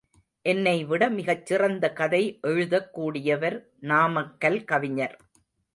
என்னைவிட மிகச்சிறந்த கதை எழுதக்கூடியவர் நாமக்கல் கவிஞர்.